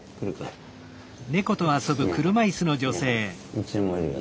うちもいるよ